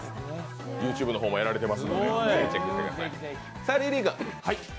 ＹｏｕＴｕｂｅの方もやられてるんでチェックしてみてください。